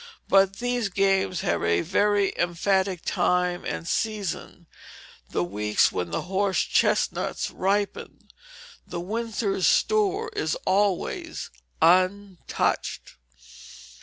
But these games have a very emphatic time and season, the weeks when the horse chestnuts ripen. The winter's store is always untouched.